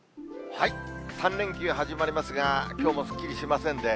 ３連休始まりますが、きょうもすっきりしませんね。